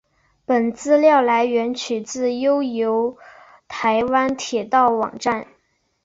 本资料来源取自悠游台湾铁道网站。